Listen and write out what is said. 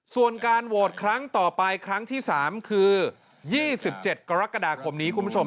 ส่วนการโหวตครั้งต่อไปครั้งที่๓คือ๒๗กรกฎาคมนี้คุณผู้ชม